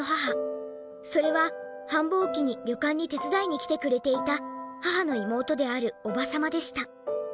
それは繁忙期に旅館に手伝いに来てくれていた母の妹であるおば様でした。